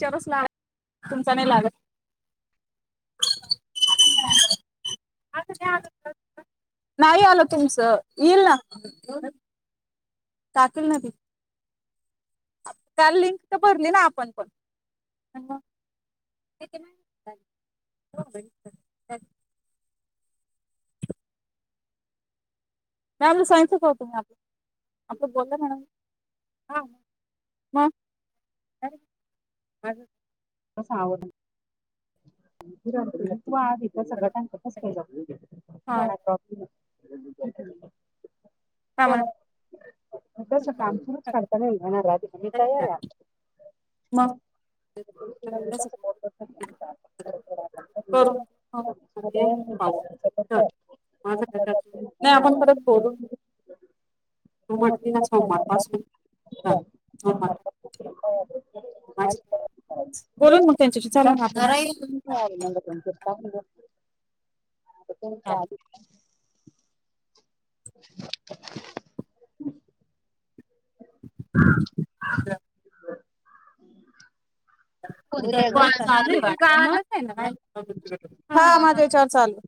Church लाग तुमचा नाही लागत. आता त्या नाहीय आल तुमच. येल ना. टाकील ना ती. काल लिंक तर भरली ना आपण पण [unintelligible] मॅम आपलं सायनस पाहतो मी आप आपलं बोलला मॅडम. हा ह. [unintelligible] [inaudible] हा [inaudible] का म्हण. कस काम सुुरूच करताना येणार आधी मी तयार आहे. म? मग नाही करून [unintelligible] नाही आपण परत बोलू. [inaudible] माझी बोलून मग त्यांच्याशी [inaudible] चालू ना आपण. [inaudible] आता कोणचे आलेत काय नु? [unintelligible] हा उद्या कॉल चालू आहे का? हा माझा विचार चालू.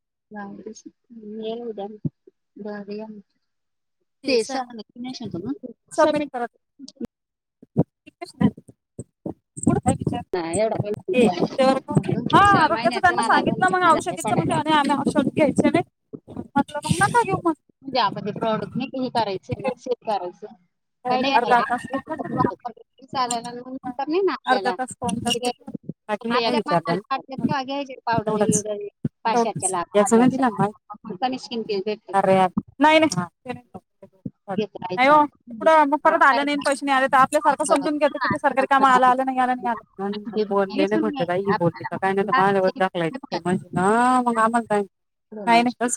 यल उदया म बरया म सबमिट करत [unintelligible] [unintelligible] हा सहा आता त्यांच महिन्याचा त्यांना मला सांगितलं धन्य मग औषधीच म्हणत्य नाय आम्ही शोध घायचा नाय. मध्ये आपण ते प्रॉडक्ट नाय का हे करायचं ना मग सेव करायचं. अर्धा तास घेतला का [unintelligible] फोन करतेस ना. बाकी नी काय आपल्या विचारलं मनाला वाटलं तेव्हा घ्यायचे पावडर तेवढच बिवडर पाचशेच्या लाख याच ना हजारच्या दिला म. लाख कमी स्किन केअर भेटते नाय नाय ते नाय [unintelligible] घेत नाय राहायचं ओ ते पुढ आपण म परत आलं नाही नं पैसे नाय आल तर आपल्या सारखं समजून घेत कि ते सरकारी काम आलं आलं नाही आलं नाही आलं. बोलले नाय इथून म्हटले घ्यायचं बाई ही बोलली तर काय नाहीत आपल्याला माझ्यावर हा ढकलायची म्हणजे ना मग आम्हालां. नाशिक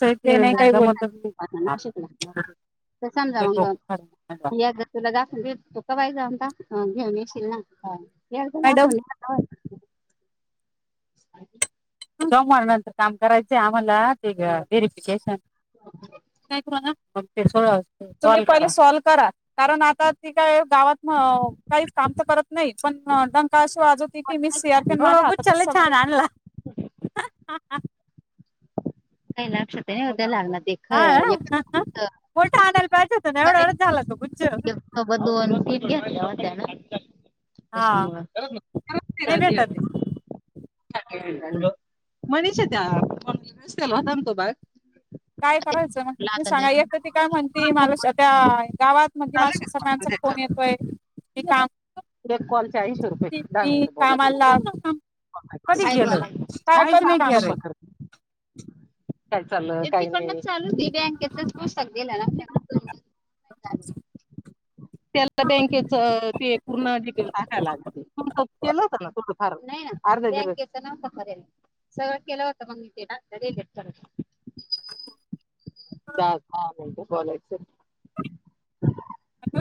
[unintelligible] त समजा मग या ग तुला दाखून देतो का वय जाऊणता. हा घेऊन येशील ना मॅडम [unintelligible] दाखव. [unintelligible] [unintelligible] सोमवार नंतर काम करायचय आम्हाला ते व्हेरिफिकेशन. काय करू आता तुम्ही पहिले सॉल्व करा कारण आता ती काय गावात नं काहीचं काम तर करत. नाही पण डंका अशी वाजवते की की मी सी यार पी हो गुच्छा लय छान आणला. हा हा. काही लक्षात आहे उद्या लागला देख. हा ना? मोठा आणायला पाहिजे होता ना एवढा एवढाच झाला तो गुच्छ [unintelligible] व दोन पीस हा घेतल्यावर. नाही भेटत ते. [unintelligible] मनीषा त्या [unintelligible] केलां होतं ना तो बाग. काय करायचं मग ते तुम्ही सांगा एक तर ती काय म्हणती मला त्या गावात मध्ये मासी सगळ्यांचा फोन येतोय की काम एक कॉल चाळीस रुपये दहा मी मिनट बोलायचा. कामाला कधी काय गेलो बोलायचं. काय काहीच नाही करू काम? केलं. [unintelligible] तिकडनं चालू बँकेचाच पूस्तक गेला ना. आपल्याला. त्याला बँकेच ते पूर्ण जी केल टाकायला लागतय केलं हो ना तू नाही ना बँकेचे नाव सांगा तरी सगळं केलावा का सांगीतलेला. [unintelligible] [unintelligible] बोलायचा.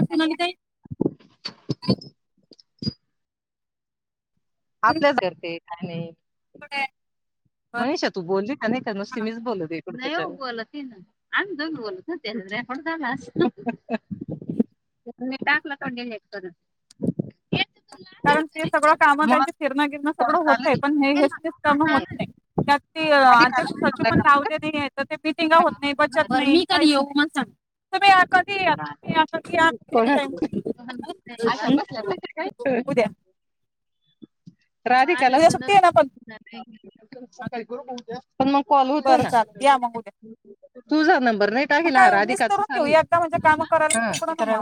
सोनाली ताई, हा आपल्याच करते काय नाही कुठाय? मनीषा तू बोलली का नाय काय नुसती मीच बोलिते. नाही हो बोलत ती ना आम दोन बोलत होते रेकॉर्ड झाला असेल. म्हणजे दाखला तोडलेले आहेत परत. कारण ते सगळं कामं त्यांचे फिरणं गिरणं कॉल सगळं चालू होतय आहे. पण हे लागेल हेच तेच कामं ना. होत नाय. त्यात ते आधी अध्यक्ष करायला सचिव पण लागला का? लावले नाय ये त ते मीटिंगा होत नाही बचत नाही बरं मी कधी येऊ. हो म सांग [unintelligible] अशा बसल्या बसल्या [unintelligible] राधिकाला उद्या ना सुट्टी आहे पण प मग कॉल होत बरं ना चालेल या मग उद्या तुझा नंबर नाही मग टाकेला हा काय राधिकाचा निस्तरून घेयू चालू आहे एकदा, म्हणजे कामं करायला हा मोकळ करायला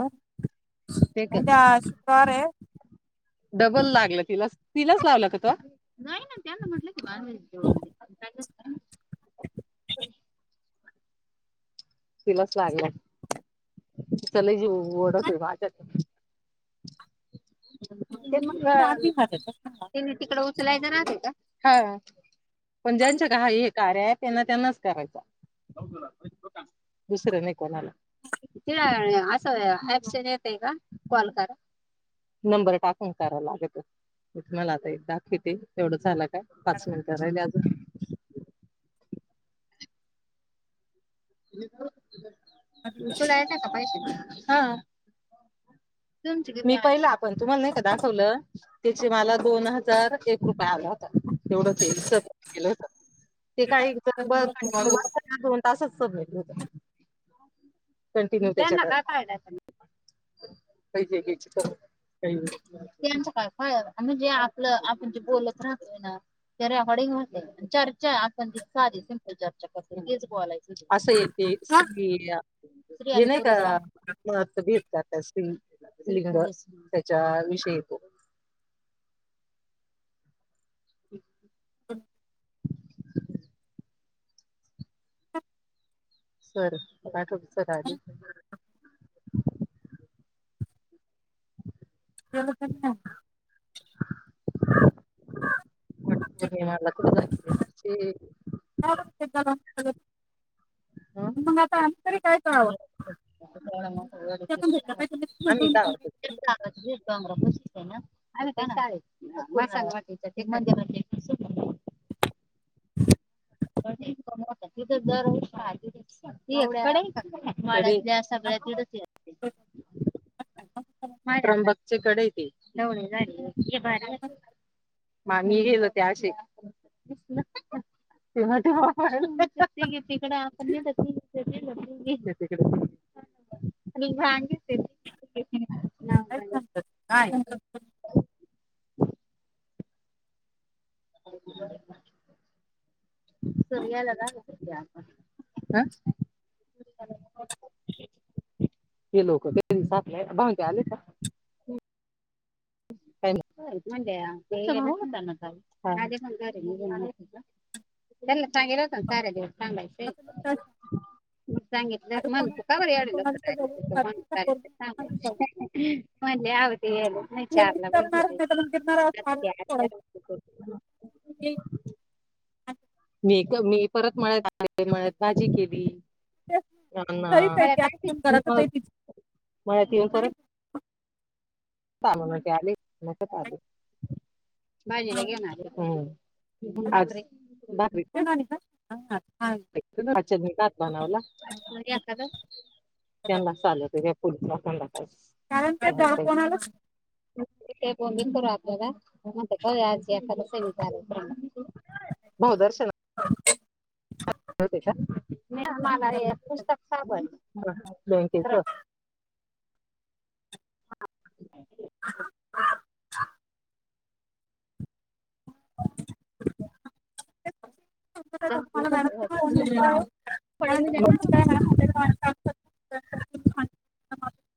ते मोकळ का उद्या शुक्रवार आहे. डबल नाहीई ना त्यांना म्हटलं की माझ्याकडून. तिलाच लागला तिचा लय जीव ओढत माझ्याकड. मग चार दिवसाचं त्यांनी तिकडे. बोलायचं राहतं का ह पण ज्यांच्याकडे आहे हे कार्य ॲप आहेत. त्यांना त्यांनाच करायचा दुसरं नाही कोणाला. तिथे असं ऑप्शन येतय का कॉल करा. नंबर टाकून कराव लागतो मी तुम्हाला आता हे दाखवते एवढं झाला पाच मिनट राहिले अजून. तुला येते का पैसे मग हा. तुमची मी पहिला पण तुम्हाला नाही का दाखवलं त्याचे मला दोन हजार एक रुपये आला तेवढा हे केलं ते काही कंटिन्यू नाही दोन तासच कंटिन्यू का त्याच्यात रहा के के ची करू चं काय जे आपलं आपण जे बोलत राहतो ना चर्चा ही आपण ती सिम्पल चर्चा करतोय ना तेच बोलायचं असं एक ते नाही का अन काय भेटतात असं क्लिक केलं का त्याच्यावर विषय येतो हळहळ सरला पाठवतो सर आले होते तेवढं त्या मागला कुडवस्ती ख अगं मग आता आम्ही तरी काय करावं आम्ही ते पण त्या भेटलं पाहिजे कावतो आम्ही त्या शाळेत आहे ना आणि वाट ते मंदिरात- कट [inaudible] तिथे तर दरवर्षी त्या सगळ्या तिथेच आहे त्र्यंबक च कडे ते माय मी गेल होत्या अशी तो तिकडे तेव ते तिकड आपण तिक आणि भाग येते काय समजत नाही काय काय हम बरं आहे का सर गेल्यावर आल्या पण त्या आता तुम्ही चला ते लोक घरी थांबलेत भाऊजी आले का तो येईल होता ना काल तिचा भाऊ आले पण घरी नाही गेले त्यांना सांगेल होत सारा दिवस थांबायचं आता सांगितलं म्हणत का कोणाला ब एवढ कोणाच्या जवळ लवकर जातो आता पोरगी म्हणांग माझ्या जवळ म्हण अहो ते हे चार मिस ला बोलले करणारच नाही तर मग गिरणारा असं अजून वाढवून सोडायचं द्या येईल [unintelligible] मी मी परत म्हणत आहे म्हणत माझी केली ते खरीच आहे ती आता फोन करायचं पाहिजे तिची आणि [unintelligible] [unintelligible] भाजीला घेणारे आज भाकरी तेणी का हा, हा. भात बनवला त्यांना चालत पुढे [unintelligible] [unintelligible] बहुदर्शन हो का मी आमला पुस्तक साबण [unintelligible] [unintelligible] [unintelligible] पडलं म्हणजे [unintelligible] सांगितलं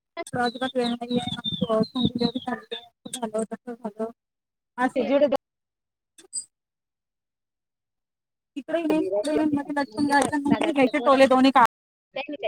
[unintelligible] [unintelligible] तिथं दादाचं पोरांचं [unintelligible]